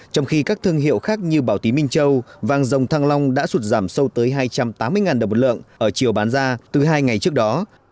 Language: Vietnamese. trong khi các thương hiệu khác như bảo tí minh châu vàng dòng thăng long đã sụt giảm sâu tới hai trăm tám mươi đồng một lượng ở chiều bán ra từ hai ngày trước đó